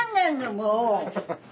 もう。